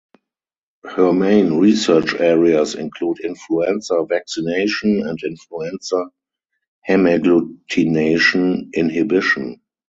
Her main research areas include influenza vaccination and influenza hemagglutination inhibition.